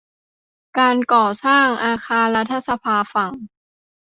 การก่อสร้างอาคารรัฐสภาฝั่ง